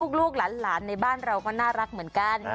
ลูกหลานในบ้านเราก็น่ารักเหมือนกัน